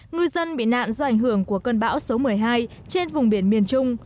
ngư dân bị nạn do ảnh hưởng của cơn bão số một mươi hai trên vùng biển miền trung